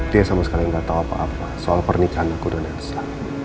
dia sama sekali gak tau apa apa soal pernikahan aku dan elsa